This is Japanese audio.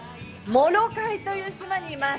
モロカイという島にいます。